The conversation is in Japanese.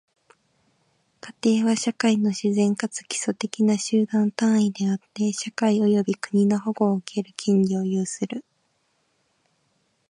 家庭は、社会の自然かつ基礎的な集団単位であって、社会及び国の保護を受ける権利を有する。